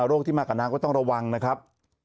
โรคที่มากับน้ำก็ต้องระวังนะครับ